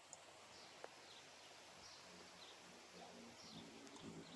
Juega actualmente para el Boavista.